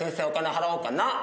お金払おうかな。